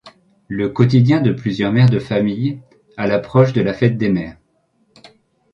Le quotidien de plusieurs mères de familles à l'approche de la fête des Mères.